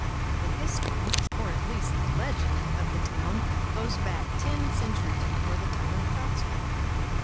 The history, or at least the legend, of the town goes back ten centuries before the time of Cartier.